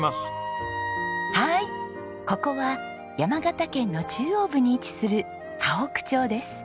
はいここは山形県の中央部に位置する河北町です。